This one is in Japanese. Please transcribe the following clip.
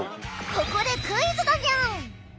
ここでクイズだにゃん！